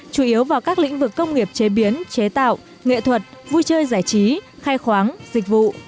chủ yếu vào các lĩnh vực công nghiệp chế biến chế tạo nghệ thuật vui chơi giải trí khai khoáng dịch vụ